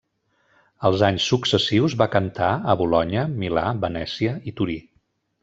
Els anys successius va cantar a Bolonya, Milà, Venècia i Torí.